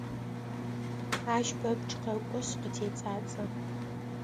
Ащ пэпчъ къэкӏошъ къытэцӏацӏэ.